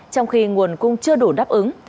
trong khi nguồn cung chưa đủ đáp ứng